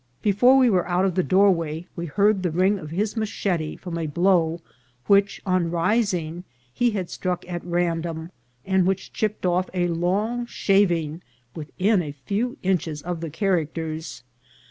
Before we were out of the doorway we heard the ring of his machete from a blow which, on rising, he had struck at random, and which chipped off a long shaving within a few inches of the characters.